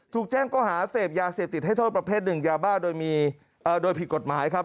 ถูกแจ้งก็หาเสพยาเสพติดให้โทษประเภทหนึ่งยาบ้าโดยมีโดยผิดกฎหมายครับ